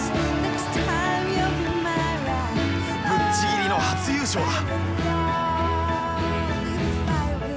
ぶっちぎりの初優勝だ。